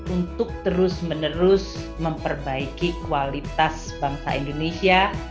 untuk terus menerus memperbaiki kualitas bangsa indonesia